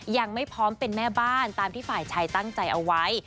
ยังไม่พร้อมเป็นแม่บ้านตามที่ฝ่ายชายตั้งใจเอาไว้